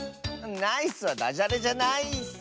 「ナイス」はダジャレじゃないッス！